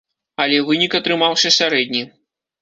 Але вынік атрымаўся сярэдні.